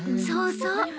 そうそう。